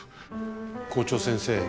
校長先生。